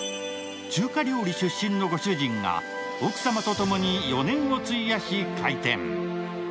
中華料理出身のご主人が、奥様と共に４年を費やし開店。